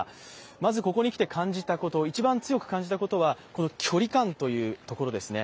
まずここに来て一番強く感じたことは距離感というところですね。